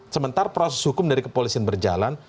sementara proses hukum dari kepolisian berjalan